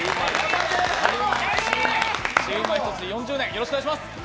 シウマイ一筋４０年、よろしくお願いします。